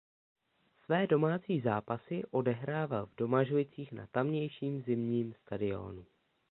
Své domácí zápasy odehrával v Domažlicích na tamějším zimním stadionu.